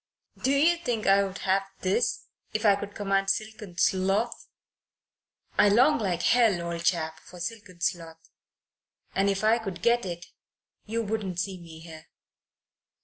"Do you think I would have this if I could command silken sloth? I long like hell, old chap, for silken sloth, and if I could get it, you wouldn't see me here."